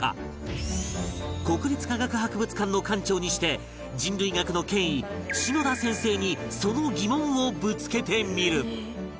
国立科学博物館の館長にして人類学の権威篠田先生にその疑問をぶつけてみる